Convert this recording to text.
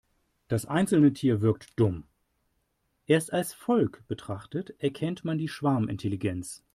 Das einzelne Tier wirkt dumm, erst als Volk betrachtet erkennt man die Schwarmintelligenz.